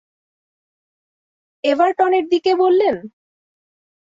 এভারটনের দিকে, বললেন?